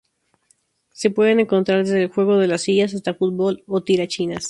Se pueden encontrar desde el juego de las sillas hasta fútbol o tirachinas.